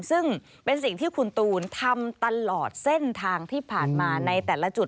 ซึ่งเป็นสิ่งที่คุณตูนทำตลอดเส้นทางที่ผ่านมาในแต่ละจุด